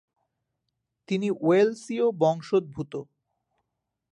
তিনি ওয়েলসীয় বংশোদ্ভূত।